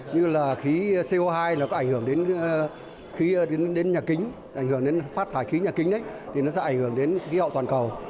như là khí co hai là có ảnh hưởng đến nhà kính ảnh hưởng đến phát thải khí nhà kính thì nó sẽ ảnh hưởng đến khí hậu toàn cầu